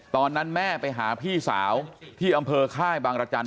ตอนนั้นแม่ไปหาพี่สาวที่อำเภอค่ายบางรจันท